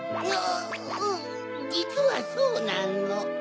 うんじつはそうなの。